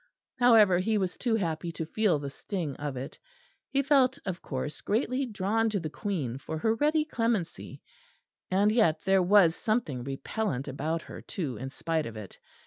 However, he was too happy to feel the sting of it. He felt, of course, greatly drawn to the Queen for her ready clemency; and yet there was something repellent about her too in spite of it.